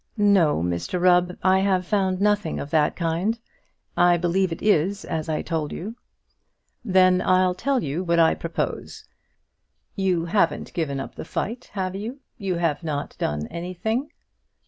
"No, Mr Rubb; I have found nothing of that kind; I believe it is as I told you." "Then I'll tell you what I propose. You haven't given up the fight, have you? You have not done anything?"